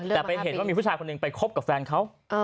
แต่ไปเห็นว่ามีผู้ชายคนหนึ่งไปคบกับแฟนเขา